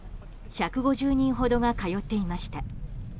１５０人ほどが通っていました。